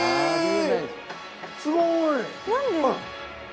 すごい。